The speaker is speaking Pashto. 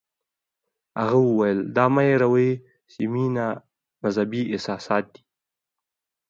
هغه وویل دا مه هیروئ چې مینه مذهبي احساسات دي.